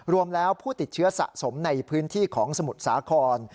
รวมแล้วผู้ติดเชื้อสะสมในพื้นที่ของสมุทรสาคร